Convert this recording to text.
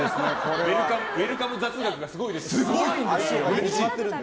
ウェルカム雑学がすごいですね。